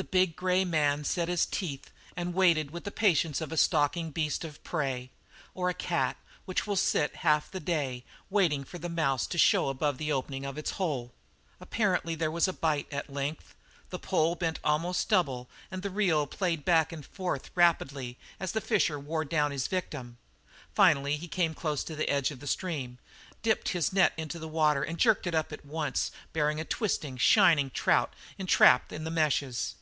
The big grey man set his teeth and waited with the patience of a stalking beast of prey, or a cat which will sit half the day waiting for the mouse to show above the opening of its hole. Apparently there was a bite at length. The pole bent almost double and the reel played back and forth rapidly as the fisher wore down his victim. Finally he came close to the edge of the stream, dipped his net into the water, and jerked it up at once bearing a twisting, shining trout enwrapped in the meshes.